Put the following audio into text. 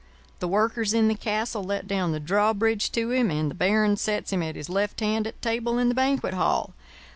The Workers in the castle let down the drawbridge to him, and the Baron sets him at his left hand at table in the banquet hall.